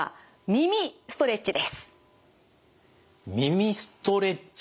耳ストレッチ。